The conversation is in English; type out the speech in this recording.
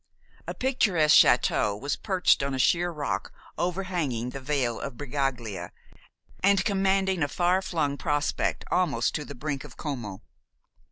A picturesque château was perched on a sheer rock overhanging the Vale of Bregaglia and commanding a far flung prospect almost to the brink of Como.